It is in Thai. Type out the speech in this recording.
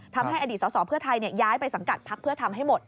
ทำให้อดีตสอสอเพื่อไทยย้ายไปสังกัดพักเพื่อทำให้หมด